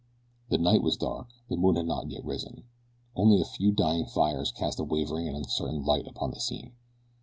The night was dark. The moon had not yet risen. Only a few dying fires cast a wavering and uncertain light upon the scene.